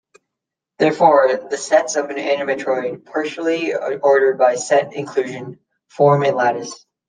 Therefore, the sets of an antimatroid, partially ordered by set inclusion, form a lattice.